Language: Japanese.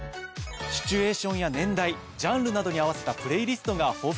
シチュエーションや年代ジャンルなどに合わせたプレイリストが豊富なんですよね。